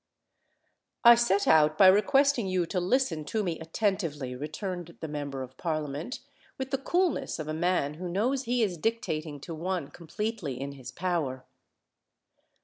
"I set out by requesting you to listen to me attentively," returned the Member of Parliament, with the coolness of a man who knows he is dictating to one completely in his power.